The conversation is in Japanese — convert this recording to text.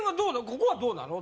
ここはどうなの？